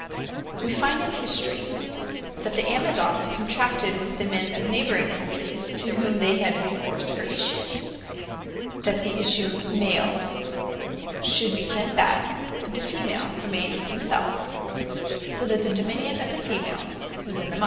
We find in History that the Amazons Contracted with the Men of the neighbouring Countries, to whom they had recourse for issue, that the issue Male should be sent back, but the Female remain with themselves: so that the dominion of the Females was in the Mother.